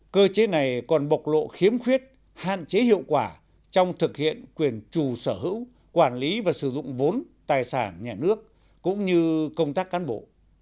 bộ chủ quản bộc lộ khiếm khuyết hạn chế hiệu quả trong thực hiện quyền chủ sở hữu quản lý và sử dụng vốn tài sản nhà nước cũng như công tác cán bộ